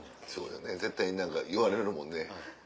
絶対何か言われるもんね。